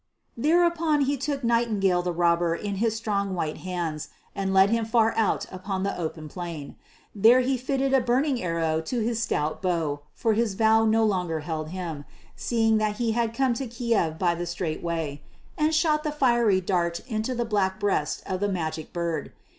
Thereupon he took Nightingale the Robber in his strong white hands and led him far out upon the open plain. There he fitted a burning arrow to his stout bow, for his vow no longer held him, seeing that he had come to Kiev by the straight way, and shot the fiery dart into the black breast of the Magic Bird.